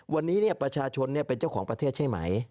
วันนี้ประชาชนเป็นเจ้าของประเทศใช่ไหม